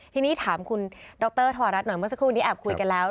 ทีนี้ถามคุณดรธวรัฐหน่อยเมื่อสักครู่นี้แอบคุยกันแล้ว